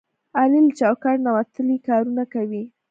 علي له چوکاټ نه وتلي کارونه کوي.